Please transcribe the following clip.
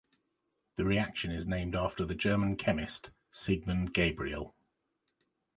The reaction is named after the German chemist Siegmund Gabriel.